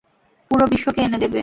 পুরো বিশ্বকে এনে দেবে।